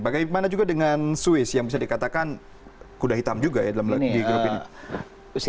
bagaimana juga dengan swiss yang bisa dikatakan kuda hitam juga ya di grup ini